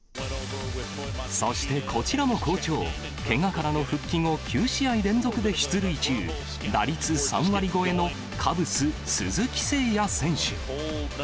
そしてこちらも好調、けがからの復帰後、９試合連続で出塁中、打率３割超えのカブス、鈴木誠也選手。